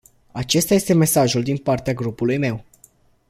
Acesta este mesajul din partea grupului meu.